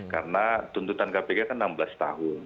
karena tuntutan kpk kan enam belas tahun